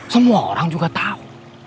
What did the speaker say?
semua orang juga tau